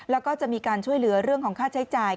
แล้วก็จะมีการช่วยเหลือเรื่องของค่าใช้จ่าย